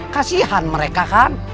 kasihan mereka kan